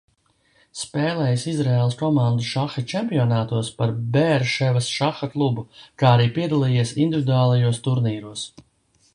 Spēlējis Izraēlas komandu šaha čempionātos par Beerševas šaha klubu, kā arī piedalījies individuālajos turnīros.